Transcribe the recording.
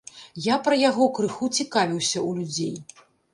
Я пра яго крыху цікавіўся ў людзей.